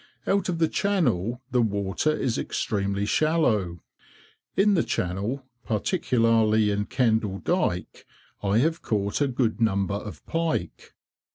Out of the channel the water is extremely shallow. In the channel, particularly in Kendal Dyke, I have caught a good number of pike.